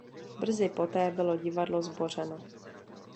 Brzy poté bylo divadlo zbořeno.